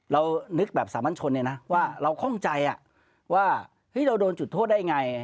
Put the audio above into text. เรานึกแบบสามัญชนเนี่ยนะว่าเราคล่องใจว่าเราโดนจุดโทษได้ไง